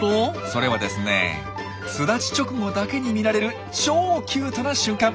それはですね巣立ち直後だけに見られる超キュートな瞬間。